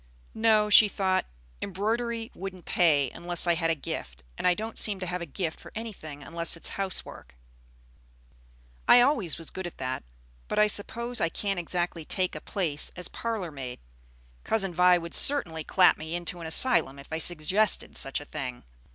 "No," she thought; "embroidery wouldn't pay unless I had a 'gift'; and I don't seem to have a gift for anything unless it is housework. I always was good at that; but I suppose I can't exactly take a place as parlor maid. Cousin Vi would certainly clap me into an asylum if I suggested such a thing.